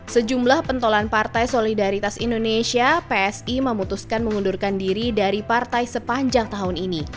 sejumlah pentolan partai solidaritas indonesia psi memutuskan mengundurkan diri dari partai sepanjang tahun ini